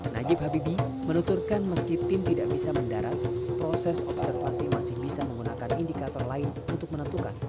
najib habibi menuturkan meski tim tidak bisa mendarat proses observasi masih bisa menggunakan indikator lain untuk menentukan